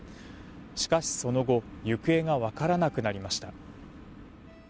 しかし、その後行方がわからなくなりました。